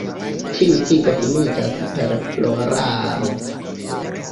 Ĉiu tigo finiĝas per floraro.